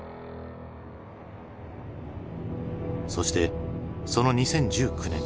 そしてその２０１９年。